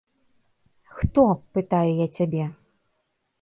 Хто, пытаю я цябе?